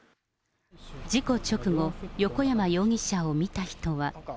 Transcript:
事故直後、横山容疑者を見た人は。